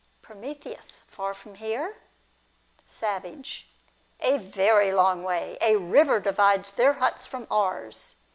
From. Far from here ? Savage. A very long way. A river divides their huts from ours.